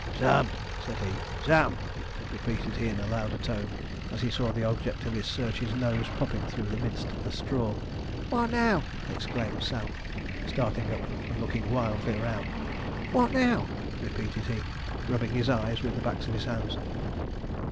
'Sam!' said he, 'Sam!' repeated he, in a louder tone, as he saw the object of his search's nose popping through the midst of the straw. 'What now?' exclaimed Sam, starting up, and looking wildly around; 'what now?' repeated he, rubbing his eyes with the backs of his hands.